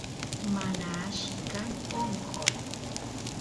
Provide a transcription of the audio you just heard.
mana alli kan onqoy